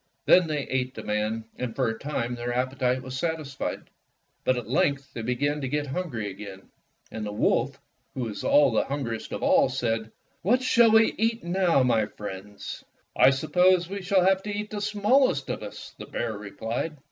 Then they ate the man, and for a time their appetite was satisfied. But at length they began to get hungry again, and the wolf ,r who was the hungriest of all, said, "What shall we eat now, my friends?" "I suppose we shall have to eat the small est of us," the bear replied.